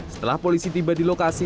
setelah polisi tiba di lokasi